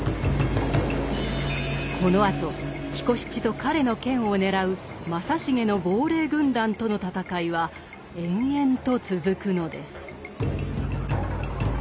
このあと彦七と彼の剣を狙う正成の亡霊軍団との戦いは延々と続くのです。